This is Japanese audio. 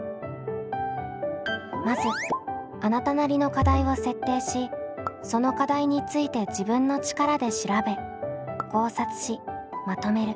まずあなたなりの課題を設定しその課題について自分の力で調べ考察しまとめる。